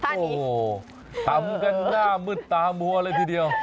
โอ้โหทำกันหน้ามืดตามัวเลยทีเดียว